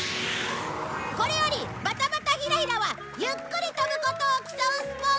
これよりバタバタヒラヒラはゆっくり飛ぶことを競うスポーツとする。